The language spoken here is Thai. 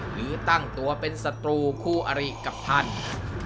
หรือตั้งตัวเป็นศัตรูคู่อริกับท่าน